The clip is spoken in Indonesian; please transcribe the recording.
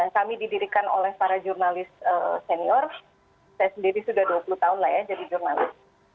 kami didirikan oleh para jurnalis senior saya sendiri sudah dua puluh tahun lah ya jadi jurnalis